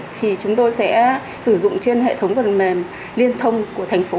thì chúng tôi sẽ sử dụng trên hệ thống phần mềm liên thông của thành phố